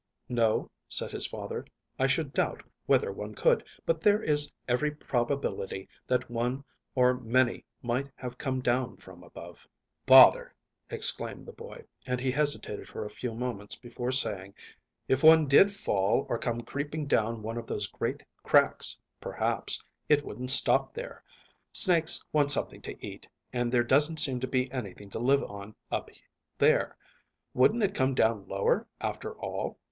"No," said his father, "I should doubt whether one could; but there is every probability that one or many might have come down from above." "Bother!" exclaimed the boy, and he hesitated for a few moments before saying, "If one did fall, or come creeping down one of those great cracks, perhaps, it wouldn't stop there. Snakes want something to eat, and there doesn't seem to be anything to live on up there. Wouldn't it come down lower, after all?"